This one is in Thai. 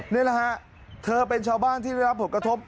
นี่แหละฮะเธอเป็นชาวบ้านที่ได้รับผลกระทบ